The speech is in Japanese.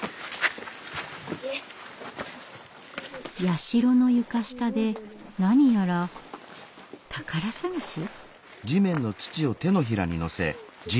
社の床下で何やら宝探し？